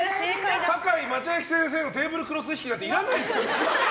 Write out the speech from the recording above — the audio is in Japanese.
堺マチャアキ先生のテーブルクロス引きなんていらないですから。